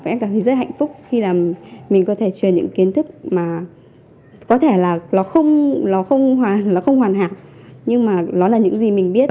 và em cảm thấy rất hạnh phúc khi là mình có thể truyền những kiến thức mà có thể là nó không hoàn hảo nhưng mà nó là những gì mình biết